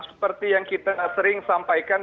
seperti yang kita sering sampaikan